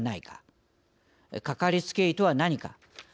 「かかりつけ医とは何か？